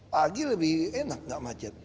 pagi lebih enak nggak macet